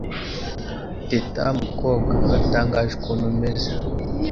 Teta mukobwa uratangaje Ukuntu umeze